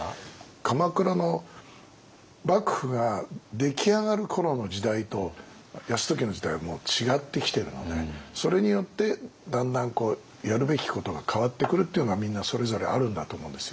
鎌倉の幕府が出来上がる頃の時代と泰時の時代はもう違ってきてるのでそれによってだんだんやるべきことが変わってくるというのはみんなそれぞれあるんだと思うんですよ。